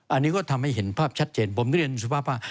อันนี้ก็ทำให้เห็นภาพชัดเจนผมได้เรียนสุภาพว่า